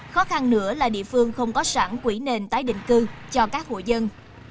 khó khăn nữa là địa phương không có sẵn quỹ nền tái định cư cho các hộ dân